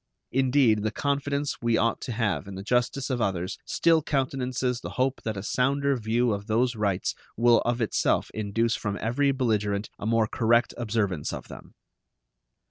Indeed, the confidence we ought to have in the justice of others still countenances the hope that a sounder view of those rights will of itself induce from every belligerent a more correct observance of them.